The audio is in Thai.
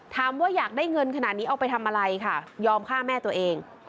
อยากได้เงินขนาดนี้เอาไปทำอะไรค่ะยอมฆ่าแม่ตัวเอง